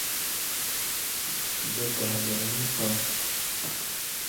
Di kahigiri nii pam.